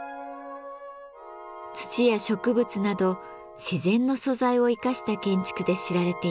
土や植物など自然の素材を生かした建築で知られています。